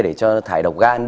để cho thải độc gan đi